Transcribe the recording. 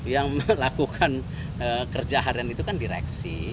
yang melakukan kerja harian itu kan direksi